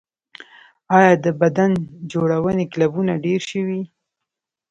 آیا د بدن جوړونې کلبونه ډیر شوي؟